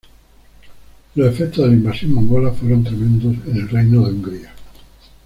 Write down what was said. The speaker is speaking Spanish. Los efectos de la invasión mongola fueron tremendos en el reino de Hungría.